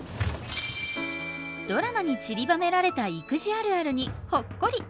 ドラマにちりばめられた育児あるあるにほっこり。